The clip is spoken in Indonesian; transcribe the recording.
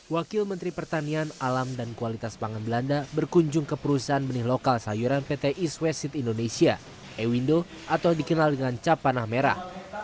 wakil menteri pertanian alam dan kualitas pangan belanda berkunjung ke perusahaan benih lokal sayuran pt east west seat indonesia ewindo atau dikenal dengan cap panah merah